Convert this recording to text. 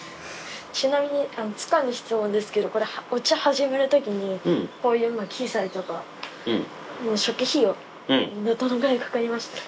ちなみにつかぬ質問ですけどこれお茶始めるときにこういう機材とか初期費用どのぐらいかかりましたか？